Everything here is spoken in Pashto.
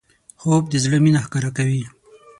خوب د زړه مینه ښکاره کوي